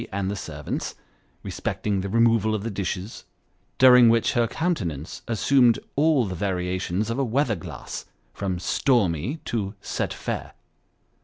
and the servants, respecting the removal of the dishes, during which her countenance assumed all the variations of a weather glass, from " stormy " to " set fair."